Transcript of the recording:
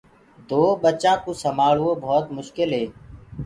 دو ٻچآنٚ ڪوُ سمآݪوو ڀوت مسڪِل هي۔